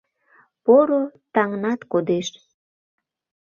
Поро таҥнат кодеш